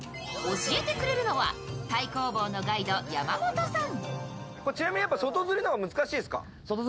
教えてくれるのは太公望のガイド山本さん。